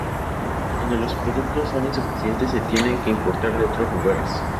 Cuando los productos son insuficientes se tienen que importar de otros lugares.